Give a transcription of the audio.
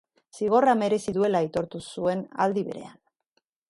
Zigorra merezi duela aitortu zuen aldi berean.